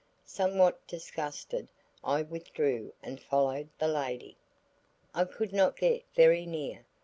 Somewhat disgusted, I withdrew and followed the lady. I could not get very near.